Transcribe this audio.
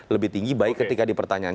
lebih tinggi baik ketika di pertanyaan